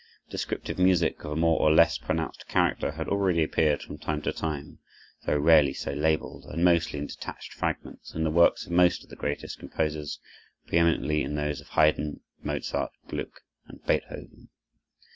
Descriptive music, of a more or less pronounced character, had already appeared from time to time, though rarely so labeled, and mostly in detached fragments, in the works of most of the greatest composers, preëminently in those of Haydn, Mozart, Gluck, and Beethoven.